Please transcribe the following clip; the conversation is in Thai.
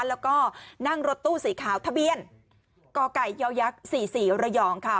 แล้วก็นั่งรถตู้สีขาวทะเบียนกไก่ย๔๔ระยองค่ะ